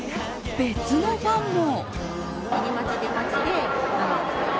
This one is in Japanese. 別のファンも。